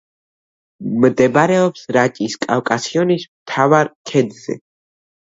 მდებარეობს რაჭის კავკასიონის მთავარ ქედზე.